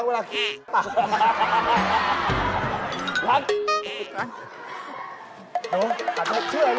เงีบ